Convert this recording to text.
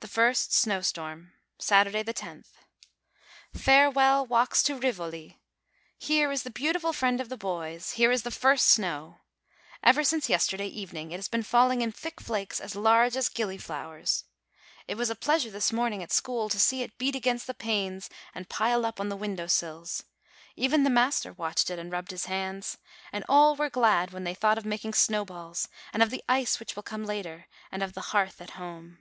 THE FIRST SNOW STORM Saturday, loth. Farewell, walks to Rivoli ! Here is the beautiful friend of the boys! Here is the first snow! Ever since yesterday evening it has been falling in thick flakes as large as gillyflowers. It was a pleasure this morning at school to see it beat against the panes and pile up on the window sills; even the master watched it, and rubbed his hands ; and all were glad, when they thought of making snowballs, and of the ice which will come later, and of the hearth at home.